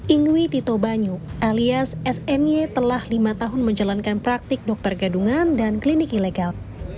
ingwi tito banyu alias sny telah lima tahun menjalankan praktik dokter gadungan dan klinik ilegal